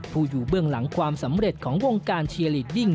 อยู่เบื้องหลังความสำเร็จของวงการเชียร์ลีดดิ้ง